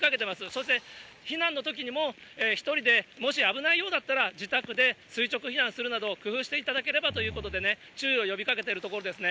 そして、避難のときにも１人でもし危ないようだったら、自宅で垂直避難するなど、工夫していただければということで、注意を呼びかけているところですね。